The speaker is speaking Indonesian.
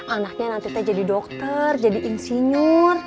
anaknya nanti saya jadi dokter jadi insinyur